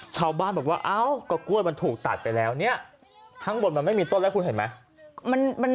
ชาวบ้านบอกว่ากล้วยมันถูกตัดไปแล้วทั้งบนมันไม่มีต้นแล้วคุณเห็นไหม